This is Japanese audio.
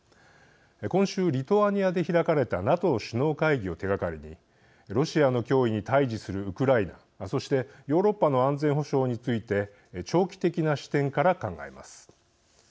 今週、リトアニアで開かれたＮＡＴＯ首脳会議を手がかりにロシアの脅威に対じするウクライナそして、ヨーロッパの安全保障について長期的な視点から考えます。